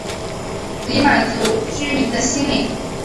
以满足居民的心灵